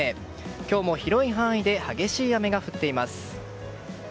今日も広い範囲で激しい雨が降っています。